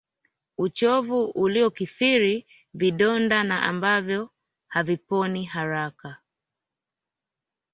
uchovu uliokithiri vidonda na ambavyo haviponi haraka